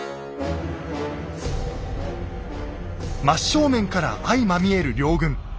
真っ正面から相まみえる両軍。